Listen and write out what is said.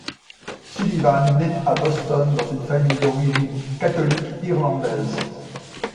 Sullivan naît à Boston dans une famille d'origine catholique irlandaise.